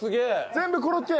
全部コロッケ！